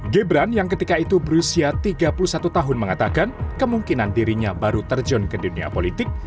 gibran yang ketika itu berusia tiga puluh satu tahun mengatakan kemungkinan dirinya baru terjun ke dunia politik